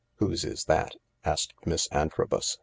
" Whose is that ?" asked Miss Antrobus.